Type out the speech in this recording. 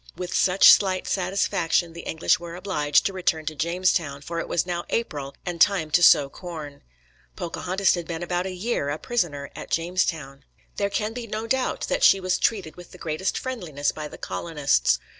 With such slight satisfaction the English were obliged to return to Jamestown, for it was now April and time to sow corn. Pocahontas had been about a year a prisoner at Jamestown. There can be no doubt that she was treated with the greatest friendliness by the colonists.